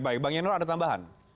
bang yenur ada tambahan